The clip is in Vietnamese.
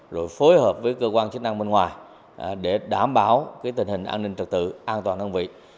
rồi phối hợp với cơ quan chức năng bên ngoài để đảm bảo tình hình an ninh trật tự an toàn đơn vị